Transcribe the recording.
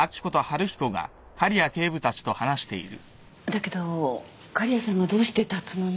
だけど狩矢さんがどうして龍野に？